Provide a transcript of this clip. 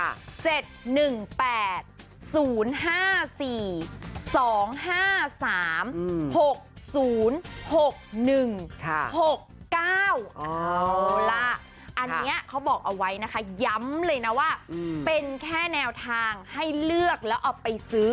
เอาล่ะอันนี้เขาบอกเอาไว้นะคะย้ำเลยนะว่าเป็นแค่แนวทางให้เลือกแล้วเอาไปซื้อ